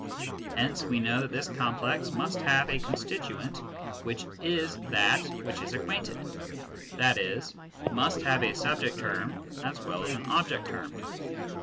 Hence we know that this complex must have a constituent which is that which is acquainted, i.e. must have a subject term as well as an object term.